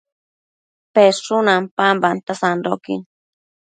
peshun ampambanta sandoquin